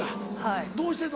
どうしてんの？